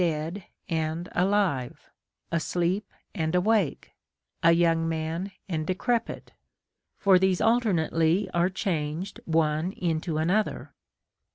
309 dead and alive, asleep and awake, a yonng man and de crepit ; for these alternately are changed one into another.